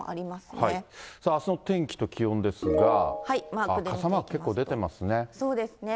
あすの天気と気温ですが、傘マーク、そうですね。